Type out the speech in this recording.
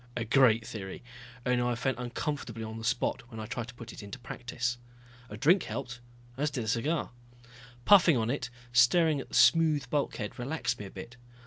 A great theory, only I felt uncomfortably on the spot when I tried to put it into practice. A drink helped, as did a cigar. Puffing on it, staring at the smooth bulkhead, relaxed me a bit.